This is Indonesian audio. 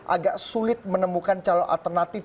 agak sulit menemukan calon alternatif